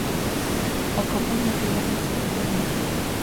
La compañía tiene su sede en Moscú.